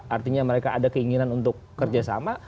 artinya mereka ada keinginan untuk kerja sama